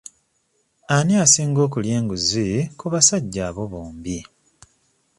Ani asinga okulya enguzi ku basajja abo bombi?